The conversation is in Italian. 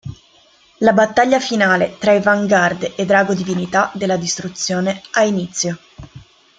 La battaglia finale tra i Vanguard e Drago Divinità della Distruzione ha inizio.